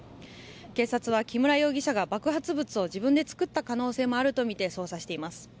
警察は木村容疑者が爆発物を自分で作った可能性もあるとみて捜査しています。